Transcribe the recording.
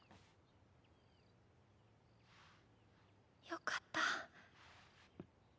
よかった。